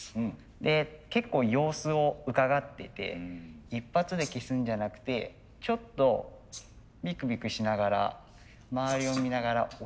で結構様子をうかがっていて一発で消すんじゃなくてちょっとびくびくしながら周りを見ながら押します。